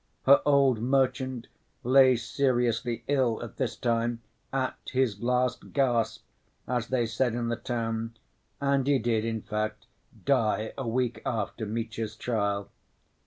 Her old merchant lay seriously ill at this time, "at his last gasp" as they said in the town, and he did, in fact, die a week after Mitya's trial.